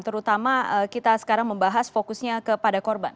terutama kita sekarang membahas fokusnya kepada korban